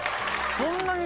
そんなに。